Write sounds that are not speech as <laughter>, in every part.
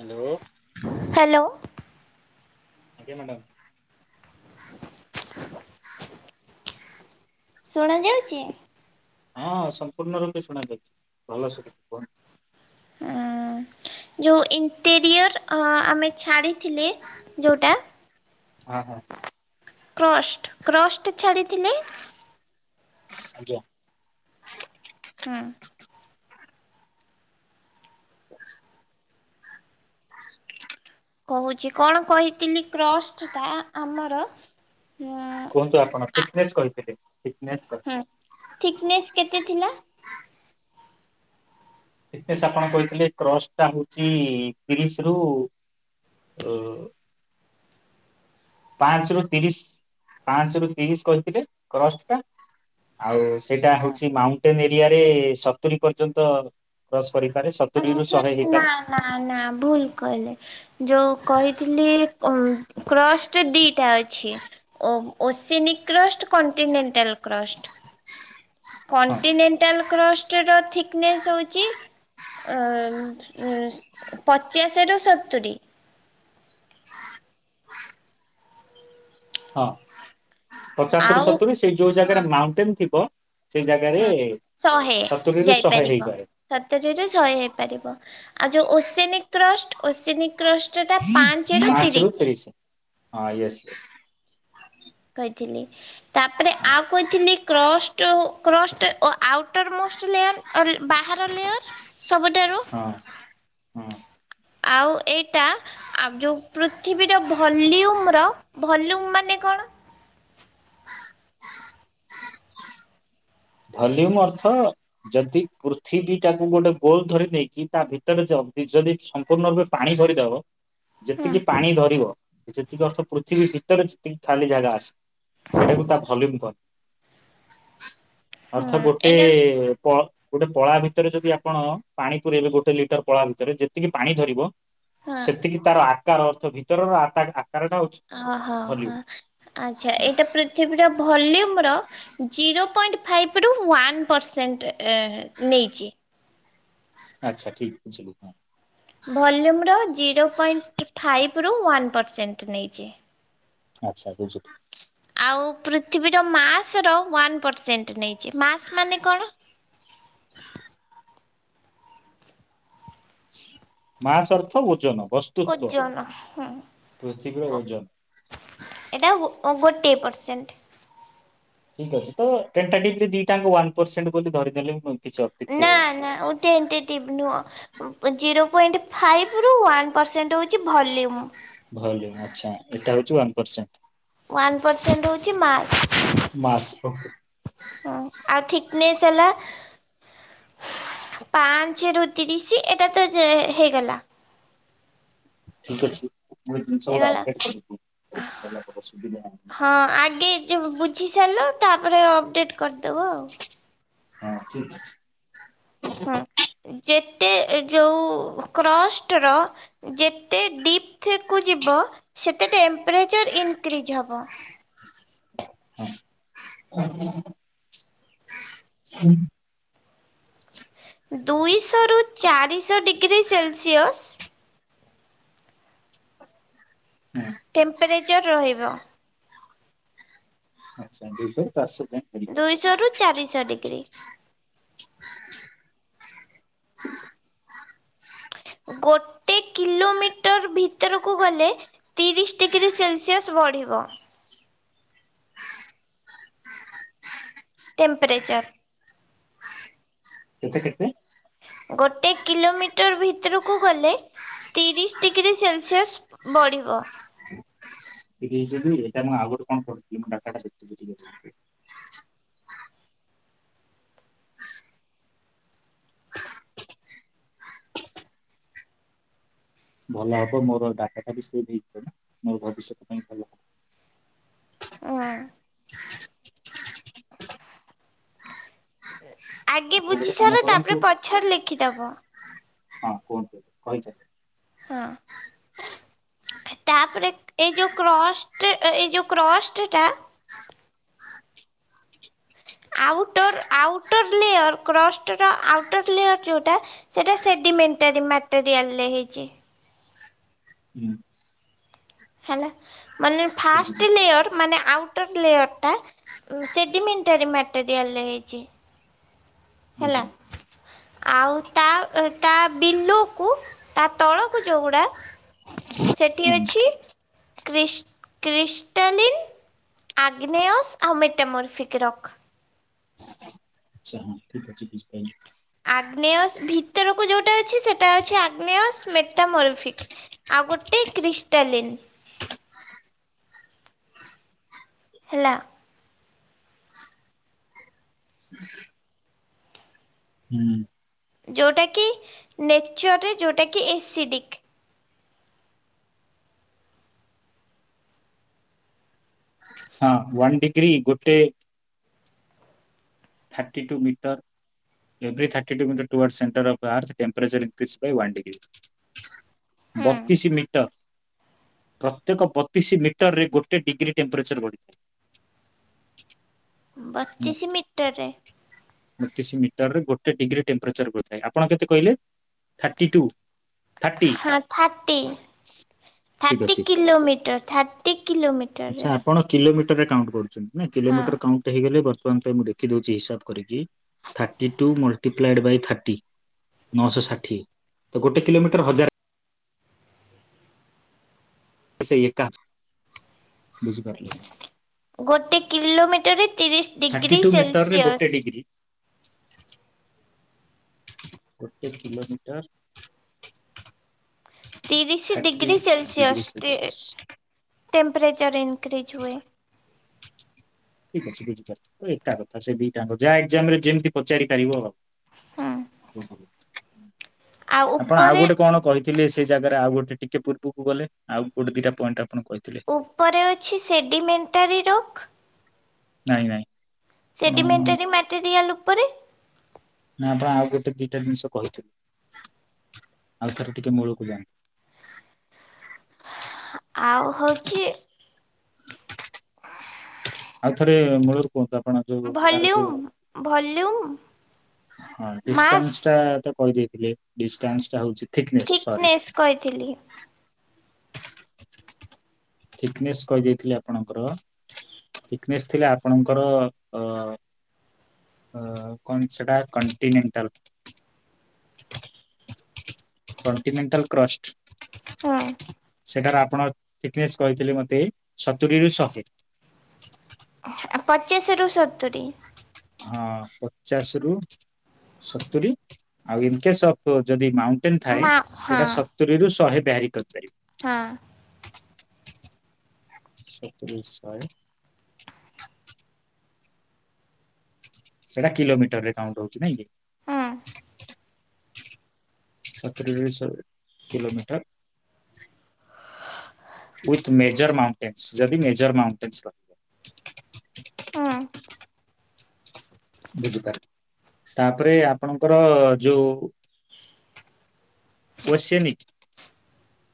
Hello. Hello. ଆଜ୍ଞା madam. ସୁଣା ଯାଉଛି? ହଁ ସମ୍ପୂର୍ଣ୍ଣ ରୂପେ ଶୁଣା ଯାଉଛି। ଭଲ ଶୁଭୁଛି କୁହ ଅଁ, ଯୋଉ ଇଣ୍ଟେରିୟର ଆମେ ଛାଡ଼ିଥିଲେ ଯୋଉଟା ହଁ ହଁ। କ୍ରଷ୍ଟ, କ୍ରଷ୍ଟ ଛାଡ଼ିଥିଲେ। ଆଜ୍ଞା। ହୁଁ। <inaudible> <inaudible> କୋହୁଚି କଣ କହିଥିଲି କ୍ରଷ୍ଟଟା ଆମର ଉଁ କିନ୍ତୁ ଆପଣ ଥିକନେସ୍ କହିଥିଲେ ଥିକନେସ୍ ଥିକନେସ କେତେ ଥିଲା? ଥିକନେସ୍ ଆପଣ କହିଥିଲେ କ୍ରସଟା ହୋଉଚି ତିରିଶରୁ ଉ ପାଞ୍ଚରୁ ତିରିଶ ପାଞ୍ଚରୁ ତିରିଶ କହିଥିଲେ କ୍ରସଟଟା ଆଉ ସେଇଟା ହୋଉଚି ମାଉଣ୍ଟେନ ଏରିଆରେ ସତୁୁରୀ ପର୍ଯ୍ୟନ୍ତ କ୍ରସ କରିପାରେ ସତୁରିରୁ ଶହେ ନା ହେଇପାରେ। ନା ନା ଭୁଲ କହିଲେ ଯୋଉ କହିଥିଲି ଉଁ କ୍ରସ୍ ଟ ଦିଇଟା ଅଛି ଓ ଓସେନିକ୍ କ୍ରସ କଣ୍ଟିନେଣ୍ଟାଲ୍ କ୍ରସଟ୍ ହଁ କଣ୍ଟିନେଣ୍ଟାଲ କ୍ରସଟ୍ ଥିକନେସ୍ ହୋଉଚି ଅ ଉଁ ପଚାଶ ରୁ ସତୁୁରୀ। ହଁ ପଚାଶରୁ ଆଉ ସତୁରୀ ସେଇ ଯୋଉ ହଁ ଜାଗାରେ ମାଉଣ୍ଟେନ ଥିବ ସେଇ ଜାଗାରେ ହଁ ସତୁରୀରୁ ଶହେ ହେଇପାରେ। ସତରୀର ଶହେ ହେଇପାରିବ ଆଉ ଯୋଉ ଓସେନିକ୍ କ୍ରଷ୍ଟ ଓସେନିକ କ୍ରଷ୍ଟଟା ପାଞ୍ଚେରୁ ପାଞ୍ଚ ରୁ ତିରିଶ। ହଁ ୟେସ୍ ୟେସ୍। କହିଥିଲି ତାପରେ ହଁ ଆଉ କହିଥିଲି କ୍ରଷ୍ଟ କ୍ରଷ୍ଟ ଓ ଆଉଟର ମୋଷ୍ଟ ଲେୟାର ଅଲ୍ ବାହାର ଲେୟାର ସବୁଠାରୁ ହଁ। ଆଉ ଏଇଟା ଆଉ ଯୋଉ ପୃଥିବୀର ଭଲ୍ୟୁମର ଭଲ୍ୟୁମ୍ ମାନେ କଣ? ଭଲ୍ୟୁମ୍ ଅର୍ଥ ଯଦି ପୃଥିବୀଟାକୁ ଗୋଟେ ଗୋଲ ଧରି ନେଇକି ତା ଭିତରେ ଯନ୍ତି ଯଦି ସମ୍ପୂର୍ଣ୍ଣ ରୂପେ ପାଣି ଧରିଦବ ହୁଁ ଯେତିକି ପାଣି ଧରିବ ଯେତିକି ଅର୍ଥ ପୃଥିବୀ ଭିତରେ ଯେତିକି ଖାଲି ଜାଗା ଅଛି ସେଇଟାକୁ ତା ଭଲ୍ୟୁମ କହ ହୁଁ ଅର୍ଥ ଗୋଟେ ଏଇଟା ପ ଗୋଟେ ପଳା ଭିତରେ ଯଦି ଆପଣ ପାଣି ପୁରଇବେ ଗୋଟେ ଲିଟର ପଳା ଭିତରେ ଯେତିକି ପାଣି ଧରିବ ହଁ ସେତିକି ତାର ଆକାର ଅର୍ଥ ଭିତରର ଆକାର ଆକାରଟା ଅଛି। ଅହ ହଁ ଆଚ୍ଛା ଏଇଟା ପୃଥିବୀରା ଭଲ୍ୟୁମ୍ ଆମର ଜିରୋ ପଏଣ୍ଟ ଫାଇପରୁ ୱାନ ପର୍ସେଣ୍ଟ ନେଇଚି। ଆଚ୍ଛା ଠିକ୍ ବୁଝିଲୁ ହଁ। ଭଲ୍ୟୁମର ଜିରୋ ପଏଣ୍ଟ ଫାଇପରୁ ୱାନ୍ ପର୍ସେଣ୍ଟ ନେଇଚି। ଆଚ୍ଛା ବୁଝୁଲି। ଆଉ ପୃଥିବୀର ମାସର ୱାନ୍ ପର୍ସେଣ୍ଟ ନେଇଚି ମାସ୍ ମାନେ କଣ? ହଁ ମାସ ଅର୍ଥ ଓଜନ ବସ୍ ଓଜନ ହୁଁ। ପୃଥିବୀର ଓଜନ। ଏଟା ଓ ଗୋଟିଏ ପର୍ସେଣ୍ଟ। ଠିକ ଅଛି ତ ଟେଣ୍ଟେଟିଭ୍ ଦିଇଟା ଆଙ୍କ ୱାନ୍ ପର୍ସେଣ୍ଟ ବୋଲି ଧରିଦେଲେ ବି ମ କିଛି ଅତ୍ୟୁକ୍ତି ନା ହେବନାଇଁ। ନା ଟେଣ୍ଟେଟିଭ୍ ନୁଅଁ ଉଁ ଜିରୋ ପଏଣ୍ଟ ଫାଇପରୁ ୱାନ୍ ପର୍ସେଣ୍ଟ ହୋଉଚି ଭଲ୍ୟୁମ୍। ଭଲ୍ୟୁମ୍ ଆଛା ଏଇଟା ହୋଉଚି ୱାନ ପର୍ସେଣ୍ଟ। ୱାନ୍ ପର୍ସେଣ୍ଟ ହୋଉଚି ମାସ୍। ମାସ୍ ଓ। ହଁ ଆଉ ଥିକନେସ୍ ହେଲା ପାଞ୍ଚେରୁ ତିରିଶ ଏଟା ତ ଯେ ହେଇଗଲା। ଠିକ ଅଛି ମୁଁ ଏ ଜିନିଷଗୁଡା ହେଇଗଲା ଅପଡେଟ୍ କରିବି ଭଲ ହବ ସୁବିଧା ହବ। ହଁ ଆଗେ ଯ ବୁଝି ସାରିଲ ତାପରେ ଅପଡେଟ କରିଦବ ଆଉ। ହଁ ଠିକ୍ ଅଛି। ହଁ ଯେତେ ଯୋଉ କ୍ରଷ୍ଟ ର ଯେତେ ଡିପ୍ଥ କୁ ଯିବ ସେତେ ଟେମ୍ପରେଚର ଇନକ୍ରିଜ୍ ହବ। <inaudible> ହୁଁ। ଦୁଇଶହରୁ ଚାରିଶହ ଡିଗ୍ରୀ ସେଲସିଅସ୍ ହୁଁ। ଟେମ୍ପରେଚର୍ ରହିବ। ଆଛା ଦୁଇଶହରୁ ଚାରିଶହ ଯାଏଁ ଭେରି କରିବ। ଦୁଇଶହରୁ ଚାରିଶହ ଡିଗ୍ରୀ। ଗୋଟେ କିଲୋମିଟର ଭିତରକୁ ଗଲେ ତିରିଶ ଡିଗ୍ରୀ ସେଲସିଅସ୍ ବଢ଼ିବ। ଟେମ୍ପ୍ରରେଚର। କେତେ କେତେ। ଗୋଟେ କିଲୋମିଟର ଭିତରକୁ ଗଲେ ତିରିଶ ଡିଗ୍ରୀ ସେଲସିଆସ୍ ବଢିବ। ତିରିଶି ଡ଼ିଗ୍ରୀ ଏଇଟା ମୁଁ ଆଗରୁ କଣ କରୁଥିଲି ମୁଁ ଡାଟା ଦେଖଦ <inaudible> <inaudible> ଭଲ ହବ ମୋର ଡାଟା ଟା ବି ସେଭ୍ ହେଇଯିବ ମୋର ଭବିଷ୍ୟତ ପାଇଁ ଭଲ ହବ। ହଁ। ଆଗେ ଆପଣ ବୁଝି ଗୋଟେ କାମ ସାର କରନ୍ତୁ ତାପରେ ପଛରେ ଲେଖିଦେବ। ହଁ କୁହନ୍ତୁ କହିଯାଅ। ହଁ। ତାପରେ ଏଇ ଯୋଉ କ୍ରଶ୍ ଟେ ଏଇ ଯୋଉ କ୍ରଷ୍ଟ ଟା ଆଉଟର୍ ଆଉଟର ଲେୟର୍ କ୍ରଷ୍ଟର ଆଉଟର୍ ଲେୟର୍ ଯେଉଟା ସେଟା ସେଡିମେଣ୍ଟାର ମାଟରିଆଲ ରେ ହେଇଚି। ହୁଁ। ହେଲା ମାନେ ବୁଝିଲି ଫାଷ୍ଟ ଲେୟର ମାନେ ଆଉଟର ଲେୟର ଟା ସେଡିମେଣ୍ଟାରୀ ମଟେରିଆଲ ରେ ହେଇଚି। ହେଲା ବୁଝିଲି। ଆଉ ତା ତା ବିଲୁକୁ ତା ତଳକୁ ଯୋଉଗୁଡ଼ା ସେଠି ହୁଁ ଅଛି କ୍ରିଶ୍ କ୍ରିଷ୍ଟଲିନ୍ ଆଗ୍ନେୟସ ଆଉ ମେଟେ ମୋରଫିକ ରକ୍। ଆଚ୍ଛା ହଁ ଠିକ ଅଛି ବୁଝିପାଇଲି। ଆଗ୍ନେୟଶ୍ ଭିତରକୁ ଯୋଉଟା ଅଛି ସେ ଟା ଅଛି ଆଗ୍ନେୟସ୍ ମେଟାମରଫିକ୍ ଆଉ ଗୋଟେ କ୍ରିଷ୍ଟାଲିନ୍। ହେଲା। <inaudible> ହୁଁ। ଯଉଟାକି ନେଚର୍ ରେ ଯଉଟାକି ଏସିଡ଼ିକ୍। ହଁ ୱାନ୍ ଡିଗ୍ରୀ ଗୋଟେ ଥାର୍ଟି ଟୁ ମିଟର୍ <unintelligible> ହୁଁ। ବତିଶି ମିଟର୍। ପ୍ରତ୍ୟେକ ବତିଶି ମିଟର୍ ରେ ଗୋଟେ ଡିଗ୍ରୀ ଟେମ୍ପରେଚର୍ ବଢ଼ିଥାଏ। ହେଲା ବତିଶି ମିଟର୍ ରେ। ବତିଶି ମିଟରରେ ଗୋଟେ ଡିଗ୍ରୀ ଟେମ୍ପରେଚର୍ ବଢିଥାଏ ଆପଣ କେତେ କହିଲେ ଥାର୍ଟି ଟୁ। ଥାର୍ଟି ହଁ ଥାର୍ଟି ଠିକ ଥାର୍ଟି ଅଛି। କିଲୋମିଟର ଥାର୍ଟି କିଲୋମି ଆଚ୍ଛା ଆପଣ କିଲୋମିଟରରେ କାଉଣ୍ଟ୍ କରୁଚନ୍ତି ନା ହଁ କିଲୋମିଟର କାଉଣ୍ଟ୍ ହେଇଗଲେ ବର ବର୍ତ୍ତମାନ୍ ମୁଁ ଦେଖିଦଉଚି ହିସାବ୍ କରିକି ଥାଟି ଟୁ ମଲ୍ଟିପ୍ଲାଇଡ୍ ବାଏ ଥାଟି। ନଅଶ ଷାଠିଏ ତ ଗୋଟେ କିଲୋମିଟର ହଜାରେ ସେଇ ଏକା ବୁଝିପାରିଲି ଗୋଟେ କିଲୋମିଟରରେ ତିରିଶ୍ ଥାର୍ଟି ଡିଗ୍ରୀ ଟୁ ମିଟରରେ ଗୋଟେ ସେଲସିଅସ୍। ଡିଗ୍ରୀ ଗୋଟେ କିଲୋମିଟର୍ ତିରିଶ ଡିଗ୍ରୀ ଡିଗ୍ରୀ ସେଲସିଅସ୍ ଟି ସେଲସିୟସ୍ ଟେମ୍ପରେଚର୍ ଇନ୍ କ୍ରିଜ୍ ହୁଏ। ଠିକ୍ ଅଛି ବୁଝିପାରିଲି ଏକା କଥା ସେ ଦିଟାଙ୍କ ଯା ଏକ୍ଜାମ ରେ ଯେମିତି ପଚାରି ପାରିବ ଆଉ। ହୁଁ ଆପଣ ଆଉ ଗୋଟେ କଣ କହି ଥିଲେ ସେଇ ଜାଗାରେ ଆଉ ଗୋଟେ ଟିକେ ପୂର୍ବକୁ ଗଲେ ଆଉ ଗୋଟେ ଦିଟା ପଏଣ୍ଟ ଆପଣ କହିଥିଲେ ଉପରେ ଅଛି ସେଡ଼ିମେଣ୍ଟାରୀ ରୋକ୍ ନାଇଁ ନାଇଁ। ଆପଣ ସେଡିମେଣ୍ଟାରୀ ମେଟେରିଆଲ ଉପରେ ନା ଆପଣ ଆଉ ଗୋଟେ ଦିଟା ଜିନିଷ କହୁଥିଲେ ଆଉ ଥରେ ଟିକେ ମୂଳକୁ ଯାଆନ୍ତୁ। ଆଉ ହଉଚି <unintelligible> ଆଉ ଥରେ ମୂଳରୁ କୁହନ୍ତୁ ଆ ଭଲ୍ୟୁମ- ଭଲ୍ୟୁମ୍। ହଁ ଡିଷ୍ଟାନ୍ସ ଟା ତ କହିଦେଇଥିଲି ଡିଷ୍ଟାନ୍ସ୍ ଟା ହଉଚି ଥିକ୍ ନେସ୍ କହିଥିଲି। <inaudible> ଥିକ୍ ନେସ୍ କହିଦେଇଥିଲି ଆପଣଙ୍କର ଥିକ୍ ନେସ୍ ଥିଲେ ଆପଣଙ୍କର ଅ ଅ- କଣ୍ ସେଟା କଣ୍ଟିନେଣ୍ଟାଲ୍। Continental crust. ହଁ। ସେଠାରେ ଆପଣ ଫିଟ୍ ନେସ୍ କହିଥିଲେ ମୋତେ ସତୁରୀ ରୁ ଶହେ। ଆ-ପଚାଶରୁ ସତୁରି। ହଁ ପଚାଶ୍ ରୁ ସତୁରି ଆଉ ଇନ୍ କେସ୍ ଅଫ୍ ଯଦି ମାଉଣ୍ଟ୍ ଟେନ୍ ଥାଏ ମା ସେଇଟା ହଁ ସତୁରିରୁ ଶହେ ବ୍ୟରିଂ କରିପାରିବ। ହଁ। ସତୁରି ରୁ ଶହେ। ସେଟା କିଲୋମିଟରରେ କାଉଣ୍ଟ୍ ହଉଚି ନାଇଁ କି? ହଁ ସତୁୁରୀ ରୁ ଶହେ କିଲୋମିଟର ୱିଥ୍ ମେଜର ମାଉଣ୍ଟେନସ ଯଦି ମେଜର ମାଉଣ୍ଟେନସ ର <inaudible> ତାପରେ ଆପଣଙ୍କର ଯୋଉ ବସେ ନିି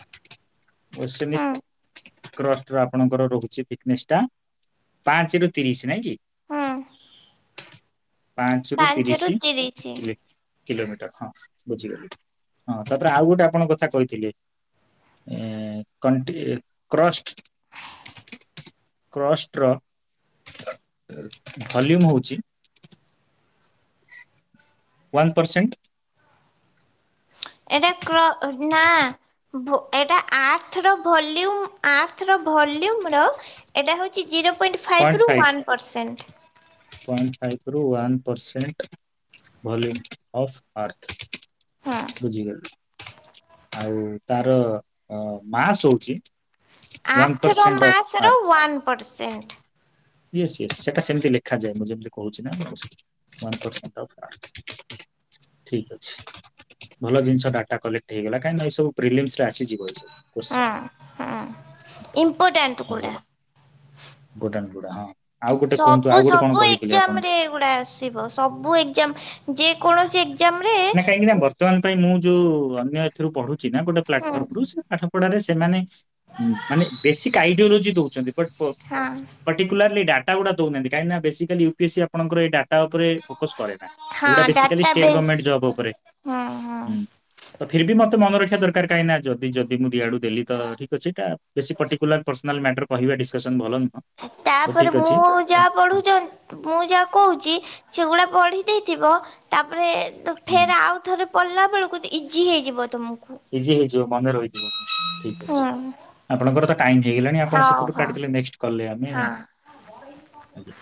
<unintelligible> ହଁ ଆର୍ସେନିକ ଟ୍ରଷ୍ଟ ରୁ ଆପଣଙ୍କର ରହୁଛି ବିଯିନେସ ଟା ପାଞ୍ଚରୁ ତିରିଶ ନାଇଁ କି <inaudible> ପାଞ୍ଚରୁ ତିରିଶ ଥିଲେ କିଲୋମିଟର ହଁ ବୁଝିଗଲି ହଁ ତାପରେ ଆଉ ଗୋଟେ ଆପଣଙ୍କ କଥା କହିଥିଲେ ଏ କଣ୍ଟି କ୍ରଷ୍ଟ କ୍ରଷ୍ଟ ର ଭଲ୍ୟୁମ୍ ହଉଚି ୱନ୍ ପରସେଣ୍ଟ ଏଇଟା କ ନା ଏଟା ଆର୍ଥର ଭଲ୍ୟୁମ ଆର୍ଥ ର ଭଲ୍ୟୁମ ର ଏଟା ହଉଛି ଅଛି ଜିରୋ ପଏଣ୍ଟ୍ ଫାଇଭ ରୁ ୱାନ୍ ପରସେଣ୍ଟ୍। ପଏଣ୍ଟ୍ ଫାଇଭ ରୁ one percent volume of earth. ହଁ। ବୁଝିଗଲି ଆଉ ତାର ଅ ମାସ୍ ହଉଛି। ୱାନ ଆର୍ଥ ର ପରସେଣ୍ଟ ଅଫ୍ ମାସ୍ ର ୱାନ୍ ପରସେଣ୍ଟ୍। ୟେସ୍ ୟେସ୍ ସେଟା ସେମତି ଲେଖାଯାଏ ମୁଁ ଯେମିତି କହୁଛି ନା ଆପଣଙ୍କୁ ୱାନ୍ ପରସେଣ୍ଟ୍ ଅଫ୍ ଆର୍ଥ। ଠିକ୍ ଅଛି। ଭଲ ଜିନିଷ ଡାଟା କଲେକ୍ଟ୍ ହେଇଗଲା କାଇନା ଏଇ ସବୁ ପ୍ରିଲିମସ୍ ରେ ଆସିଯିବ ଏ ସବୁ। ହଁ କୋଶ୍ଚିନ୍ ହଁ। ଇମ୍ପୋର୍ଟାଣ୍ଟ ଗୁଡ଼ା। ଭୁଟାନ। କୋଉଟା ହଁ। ଆଉ ଗୋଟେ କୁହନ୍ତୁ ସବୁ ଆଉ ଗୋଟେ କଣ ସବୁ କହିଥିଲେ ଆପଣ? ଏକ୍ଜାମ ରେ ଏଇଗୁଡା ଆସିବ ସବୁ ଏକ୍ଜାମ। ଯେକୌଣସି ଏକ୍ଜାମ ରେ। ନା କାହିଁକି ନା ବର୍ତ୍ତମାନ ପାଇଁ ମୁଁ ଯୋଉ ଅନ୍ୟ ଏଥିରୁ ପଢୁଛି ନା ଗୋଟେ ହୁଁ ପ୍ଲାଟଫର୍ମ ରୁ ସେ ପାଠପଢାରେ ସେମାନେ। ମାନେ ବେସିକ୍ ଆଇଡିଓଲୋଜି ଦଉଛନ୍ତି ବଟ୍ ପ, ଆଚ୍ଛା। ପଟିକୁଲାର୍ଲି ଡାଟ ଗୁଡା ଦଉନାହାନ୍ତି କାହିଁକି ନା ବେସିକାଲି ୟୁପିଏସି ଆପଣଙ୍କର ଏ ଡା ଉପରେ। ଫୋକସ୍ କରେନା ହଁ ଏଇଗୁଡା ବେଶିକାଲି data state base government job ଉପରେ ହଁ ହଁ ହୁଁ। ତ ଫିର୍ ବି ମତେ ମନ ରଖିବା ଦରକାର କାହିଁକିନା ଯଦି ଯଦି ମୁଁ ଦିଆଡୁ ଦେଲି ତ ଠିକ୍ ଅଛି ଏଇଟା ବେଶି ପର୍ଟିକୁଲାର୍ ପର୍ସନାଲ୍ ମ୍ୟାଟର୍। କହିବା ଡିସକସନ୍ ଭଲ‌ ନୁହଁ। ତ ତାପରେ ଠିକ ମୁଁ, ଅଛି ତ ଯାହା ପଢୁଚନ୍ ମୁଁ ଯାହା କହୁଛି ସେଗୁଡ଼ା ପଢ଼ି ଦେଇଥିବ ତାପରେ, ତ ହୁଁ ଫେର୍ ଆଉ ଥରେ ପଡ଼ିଲା ବେଳକୁ ତ ଇଜି ହେଇଯିବ ତୁମକୁ। ଇଜି ହେଇଯିବ ମନେ ରହିଯିବ ହଁ ଠିକ୍ ହୁଁ ଅଛି ଆପଣଙ୍କର ତ, ଟାଇମ୍ ହେଇଗଲାଣି ଆପଣ ହଉ ସେପଟୁ ହଉ କାଟି ଦେଲେ ନେଷ୍ଟ କଲ୍ ରେ ଆମେ ହଁ ଆଜ୍ଞା।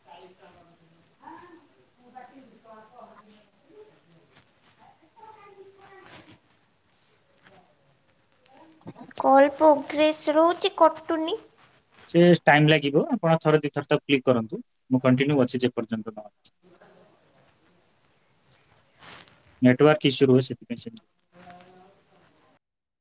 <unintelligible> <unintelligible> କଲ୍ ପ୍ରୋଗ୍ରେସ୍ ରହୁଛି କଟୁନି। ସେ ଟାଇମ୍ ଲାଗିବ ଆପଣ ଥରେ ଦି ଥର ତାକୁ କ୍ଲିକ୍ କରନ୍ତୁ ମୁଁ କଣ୍ଟିନ୍ୟୁ ଅଛି ଯେ ପର୍ଯ୍ୟନ୍ତ ନହେଇଛି। ନେଟୱର୍କ ଇସୁ ରହୁଛି ସେଥିପାଇଁ ସେମିତି ହୁଏ।